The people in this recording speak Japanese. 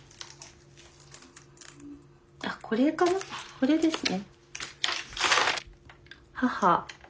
これですね。